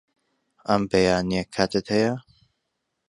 ئەم بەیانییە کاتت هەیە؟